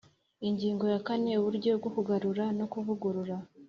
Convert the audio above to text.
Ingingo ya kane Uburyo bwo kugarura no kuvugurura